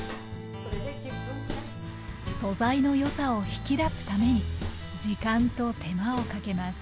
素材のよさを引き出すために時間と手間をかけます